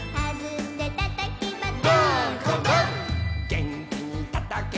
「げんきにたたけば」